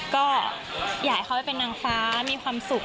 ก็อยากให้เขาไปเป็นนางฟ้ามีความสุข